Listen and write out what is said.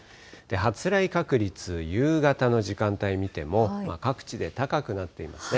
発雷確率、夕方の時間帯見ても、各地で高くなっていますね。